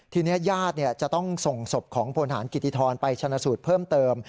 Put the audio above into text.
ทีนี้ญาติจะต้องส่งศพของพลฐานกิติธรไปชนะสูตรเพิ่มเติม